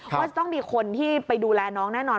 ว่าจะต้องมีคนที่ไปดูแลน้องแน่นอน